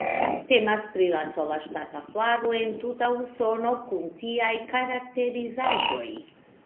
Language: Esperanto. Temas pri la sola ŝtata flago en tuta Usono kun tiaj karakterizaĵoj.